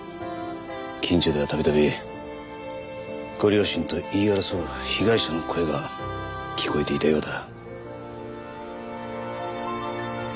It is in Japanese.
近所では度々ご両親と言い争う被害者の声が聞こえていたようだ。